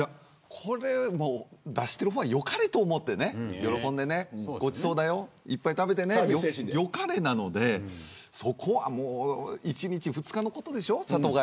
これは出している方は良かれと思って喜んでね、ごちそうだよいっぱい食べてねと良かれなので、そこは１日、２日のことでしょ。